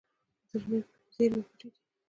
زیرمې پټ دي.